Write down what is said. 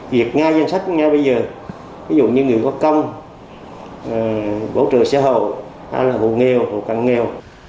việc nghe danh sách ngay bây giờ ví dụ như người có công hỗ trợ xã hội hay là hộ nghèo hộ cận nghèo